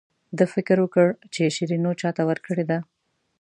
ده فکر وکړ چې شیرینو چاته ورکړې ده.